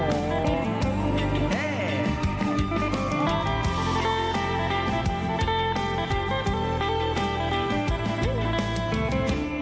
คุกคุมเมื่อไหร่แล้ว